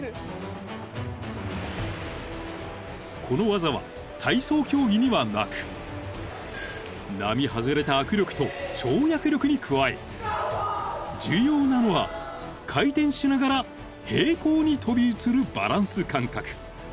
［この技は体操競技にはなく並外れた握力と跳躍力に加え重要なのは回転しながら平行に飛び移るバランス感覚］